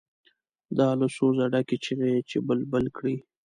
دا له سوزه ډکې چیغې چې بلبل کړي.